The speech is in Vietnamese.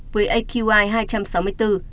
với aqi hai trăm sáu mươi bốn